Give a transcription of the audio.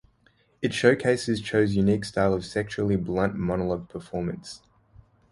It showcases Cho's unique style of sexually blunt monologue performance.